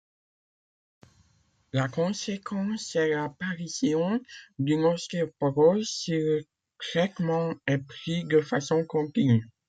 La conséquence est l'apparition d'une ostéoporose si le traitement est pris de façon continue.